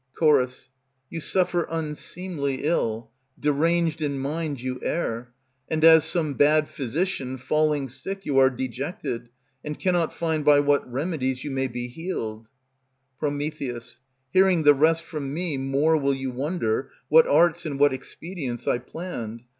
Ch. You suffer unseemly ill; deranged in mind You err; and as some bad physician, falling Sick you are dejected, and cannot find By what remedies you may be healed. Pr. Hearing the rest from me more will you wonder What arts and what expedients I planned.